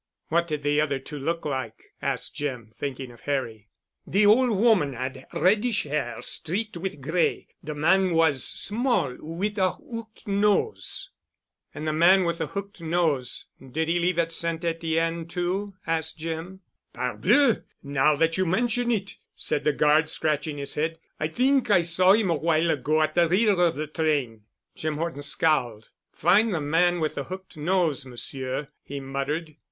"What did the other two look like?" asked Jim, thinking of Harry. "The old woman had reddish hair streaked with gray—the man was small, with a hooked nose." "And the man with the hooked nose, did he leave at St. Etienne too?" asked Jim. "Parbleu, now that you mention it——," said the guard, scratching his head, "I think I saw him a while ago at the rear of the train." Jim Horton scowled. "Find the man with the hooked nose, Monsieur," he muttered.